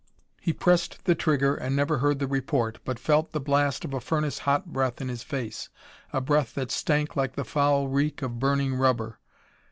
He pressed the trigger and never heard the report, but felt the blast of a furnace hot breath in his face a breath that stank like the foul reek of burning rubber.